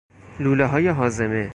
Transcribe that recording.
لولۀ هاضمه